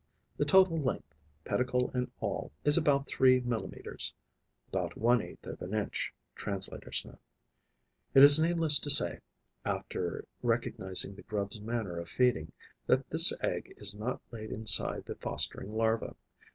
The total length, pedicle and all, is about 3 millimetres. (About one eighth of an inch. Translator's Note.) It is needless to say, after recognizing the grub's manner of feeding, that this egg is not laid inside the fostering larva.